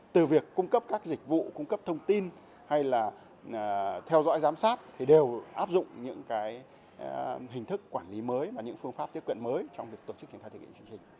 từ việc cung cấp các dịch vụ cung cấp thông tin hay là theo dõi giám sát thì đều áp dụng những hình thức quản lý mới và những phương pháp tiếp cận mới trong việc tổ chức triển khai thực hiện chương trình